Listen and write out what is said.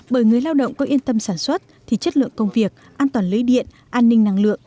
bởi người lao động có yên tâm sản xuất thì chất lượng công việc an toàn lưới điện an ninh năng lượng